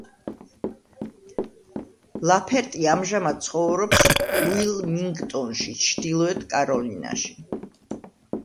ლაფერტი ამჟამად ცხოვრობს უილმინგტონში, ჩრდილოეთ კაროლინაში.